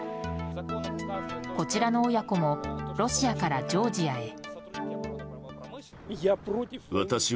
こちらの親子もロシアからジョージアへ。